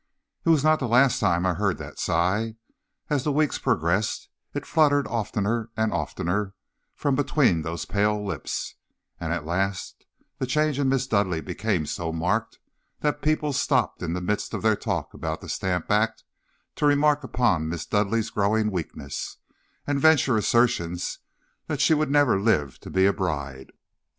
"It was not the last time I heard that sigh. As the weeks progressed it fluttered oftener and oftener from between those pale lips, and at last the change in Miss Dudleigh became so marked that people stopped in the midst of their talk about the stamp act to remark upon Miss Dudleigh's growing weakness, and venture assertions that she would never live to be a bride.